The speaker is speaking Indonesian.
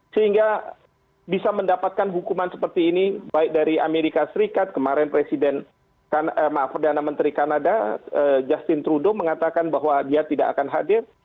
sehingga bisa mendapatkan hukuman seperti ini baik dari amerika serikat kemarin presiden maaf perdana menteri kanada justin trudeau mengatakan bahwa dia tidak akan hadir